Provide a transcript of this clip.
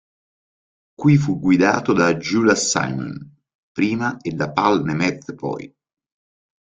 Qui fu guidato da Gyula Simon prima e da Pál Németh poi.